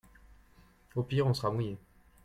Au pire on sera mouillé.